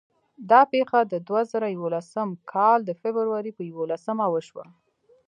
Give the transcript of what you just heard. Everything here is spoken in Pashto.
دا پېښه د دوه زره یولسم کال د فبرورۍ په یوولسمه وشوه.